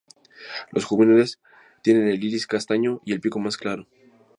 Los juveniles tienen el iris castaño y el pico más claro.